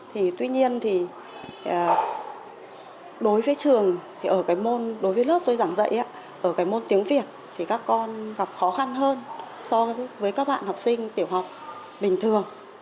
thì tuy nhiên thì đối với trường thì ở cái môn đối với lớp tôi giảng dạy ở cái môn tiếng việt thì các con gặp khó khăn hơn so với các bạn học sinh tiểu học bình thường